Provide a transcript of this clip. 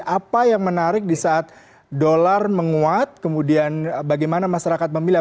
apa yang menarik disaat dolar menguat kemudian bagaimana masyarakat memilih